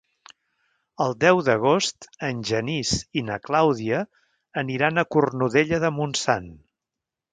El deu d'agost en Genís i na Clàudia aniran a Cornudella de Montsant.